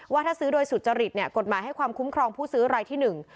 ว่าถ้าซื้อโดยสุจริตเนี่ยกฎหมายให้ความคุ้มครองผู้ซื้อรายที่หนึ่ง